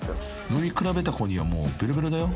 ［飲み比べたころにはもうベロベロだよ］